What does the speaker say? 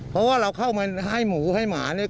เพราะว่าเราเข้ามาให้หมูให้หมาเนี่ย